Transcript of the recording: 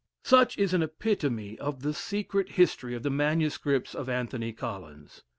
Such is an epitome of the secret history of the MSS. of Anthony Collins.